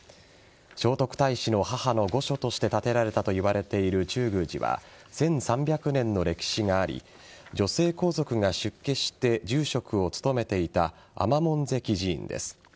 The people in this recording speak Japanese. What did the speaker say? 聖徳太子の母の御所として建てられたといわれている中宮寺は１３００年の歴史があり女性皇族が出家して住職を務めていた尼門跡寺院です。